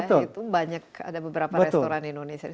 itu banyak ada beberapa restoran indonesia